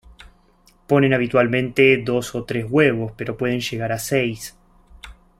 Ponen habitualmente dos o tres huevos, pero pueden llegar a seis.